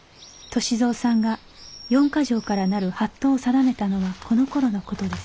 歳三さんが四か条からなる法度を定めたのはこのころの事です